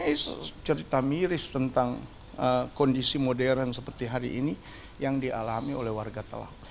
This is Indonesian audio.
ini cerita miris tentang kondisi modern seperti hari ini yang dialami oleh warga telak